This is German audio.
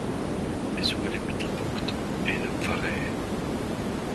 Es wurde Mittelpunkt einer Pfarrei.